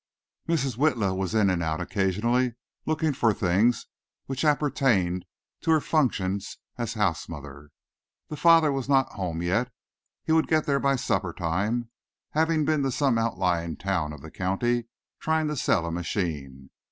Mrs. Witla was in and out occasionally, looking for things which appertained to her functions as house mother. The father was not home yet; he would get there by supper time, having been to some outlying town of the county trying to sell a machine.